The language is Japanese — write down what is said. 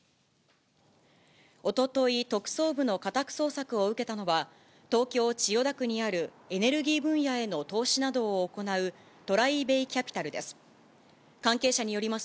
おととい、特捜部の家宅捜索を受けたのは、東京・千代田区にあるエネルギー分野への投資などを行うトライベイキャピタルです。